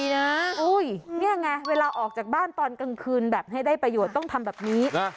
นี่ไงเวลาออกจากบ้านตอนกลางคืนแบบให้ได้ประโยชน์ต้องทำแบบนี้